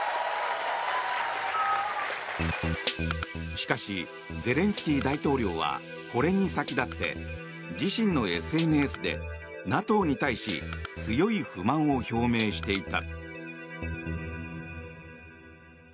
しかし、ゼレンスキー大統領はこれに先立って自身のＳＮＳでＮＡＴＯに対し強い不満を表明していた。